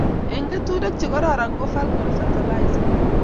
Eng keturek che kororon ko Falcon fertilizer